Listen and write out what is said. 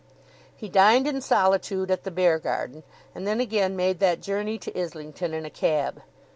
He dined in solitude at the Beargarden, and then again made that journey to Islington in a cab.